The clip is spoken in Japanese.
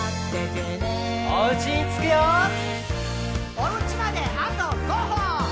「おうちまであと５歩！」